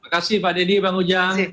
terima kasih pak deddy bang ujang